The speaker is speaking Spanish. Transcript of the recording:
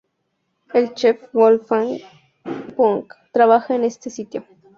El chef Wolfgang Puck trabaja en este sitio.